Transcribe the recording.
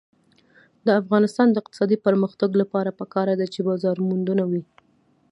د افغانستان د اقتصادي پرمختګ لپاره پکار ده چې بازارموندنه وي.